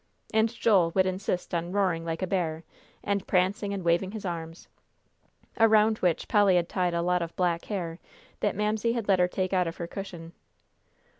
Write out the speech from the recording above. And Joel would insist on roaring like a bear, and prancing and waving his arms, around which Polly had tied a lot of black hair that Mamsie had let her take out of her cushion.